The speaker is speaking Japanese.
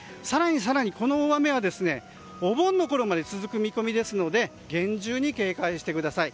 更にこの大雨はお盆のころまで続く見込みですので厳重に警戒してください。